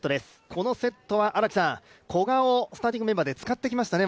このセットは古賀をスターティングメンバーで使ってきましたね。